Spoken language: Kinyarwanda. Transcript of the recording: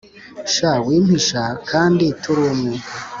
sha wimpisha kandi turi umwe